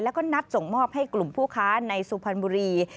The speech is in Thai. แล้วก็นัดส่งมอบให้กลุ่มผู้ค้าในสุพรรณบุรี